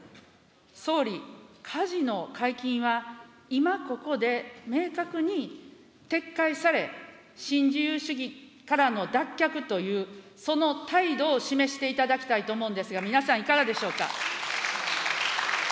総理、カジノ解禁は、今ここで明確に撤回され、新自由主義からの脱却というその態度を示していただきたいと思うんですが、皆さん、いかがでしょうか。